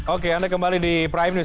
oke anda kembali di prime news